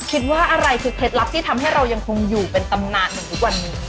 คิดว่าอะไรคือเคล็ดลับที่ทำให้เรายังคงอยู่เป็นตำนานเหมือนทุกวันนี้